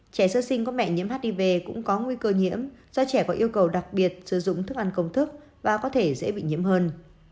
trẻ sơ sinh có mẹ nhiễm hiv cũng có nguy cơ nhiễm do trẻ có yêu cầu đặc biệt sử dụng thức ăn công thức và có thể dễ bị nhiễm hơn